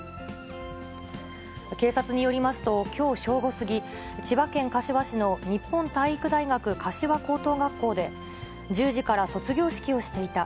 警察によりますと、きょう正午過ぎ、千葉県柏市の日本体育大学柏高等学校で、１０時から卒業式をしていた。